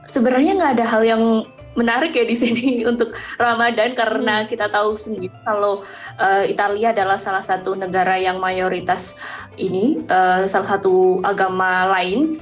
sebenarnya nggak ada hal yang menarik ya di sini untuk ramadan karena kita tahu sendiri kalau italia adalah salah satu negara yang mayoritas ini salah satu agama lain